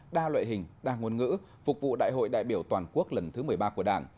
đa loại hình đa ngôn ngữ phục vụ đại hội đại biểu toàn quốc lần thứ một mươi ba của đảng